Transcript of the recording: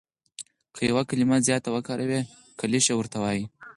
که یو کلیمه زیاته وکاروې کلیشه ورته وايي.